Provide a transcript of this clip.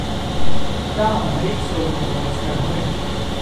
Dále na jih jsou Novohradské hory.